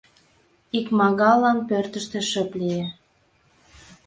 Икмагаллан пӧртыштӧ шып лие.